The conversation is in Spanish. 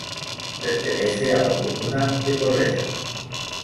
Pertenece a la comuna de Correa.